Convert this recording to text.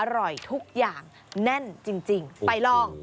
อร่อยทุกอย่างแน่นจริงไปลอง